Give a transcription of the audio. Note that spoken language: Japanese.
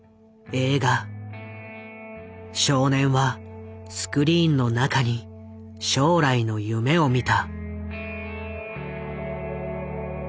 少年はスクリーンの中に将来の夢を見た。